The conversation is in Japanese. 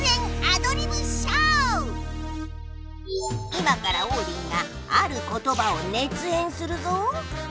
今からオウリンがある言葉を熱演するぞ。